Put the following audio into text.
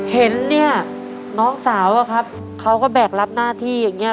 เห็นเนี่ยน้องสาวอะครับเขาก็แบกรับหน้าที่อย่างเงี้